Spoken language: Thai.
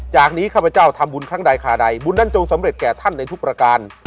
จากนี้ข้าพเจ้าทำบุญครั้งใดขาใดบุญนั้นจงสำเร็จแก่ท่านในทุกประการ